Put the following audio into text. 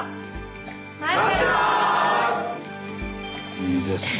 いいですね。